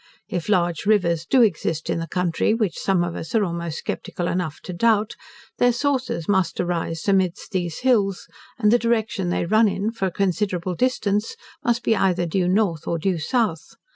If large rivers do exist in the country, which some of us are almost sceptical enough to doubt, their sources must arise amidst these hills; and the direction they run in, for a considerable distance, must be either due north, or due south.